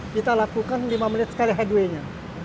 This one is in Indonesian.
kita lakukan lima menit sekali headway nya